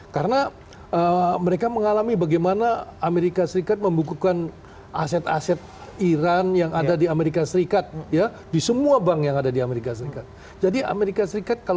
pemerintah iran berjanji akan membalas serangan amerika yang tersebut